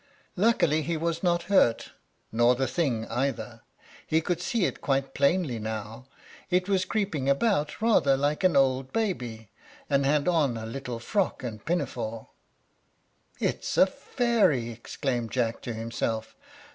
Luckily, he was not hurt, nor the thing either; he could see it quite plainly now: it was creeping about like rather an old baby, and had on a little frock and pinafore. "It's a fairy!" exclaimed Jack to himself.